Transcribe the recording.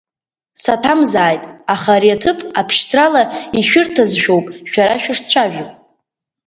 Саҭамзааит, аха ари аҭыԥ абшьҭрала ишәырҭазшәоуп шәара шәышцәажәо.